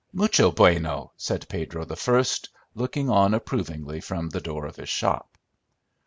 "Mucho bueno!" said Pedro the First, looking on approvingly from the door of his shop.